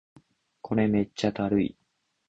これめっちゃだるい